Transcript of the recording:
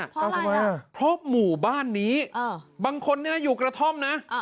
เอาทำไมอ่ะเพราะหมู่บ้านนี้บางคนนี่นะอยู่กระท่อมนะ